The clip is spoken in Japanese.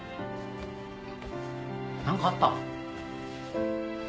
何かあった？